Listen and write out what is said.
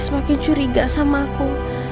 semakin curiga sama aku